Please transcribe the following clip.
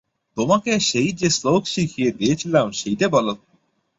তোমাকে সেই যে শ্লোক শিখিয়ে দিয়েছিলাম সেইটে বলো।